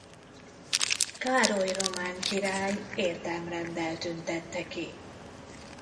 Károly román király érdemrenddel tüntette ki.